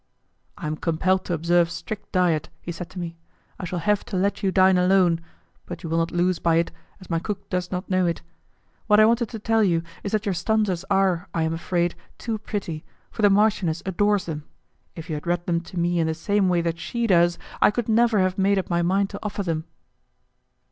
"I am compelled to observe strict diet," he said to me; "I shall have to let you dine alone, but you will not lose by it as my cook does not know it. What I wanted to tell you is that your stanzas are, I am afraid, too pretty, for the marchioness adores them. If you had read them to me in the same way that she does, I could never have made up my mind to offer them."